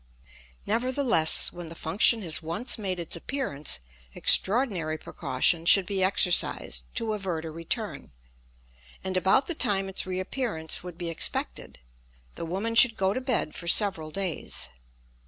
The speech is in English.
Nevertheless, when the function has once made its appearance extraordinary precaution should be exercised to avert a return, and about the time its reappearance would be expected the woman should go to bed for several days.